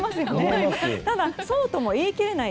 そうとも言い切れない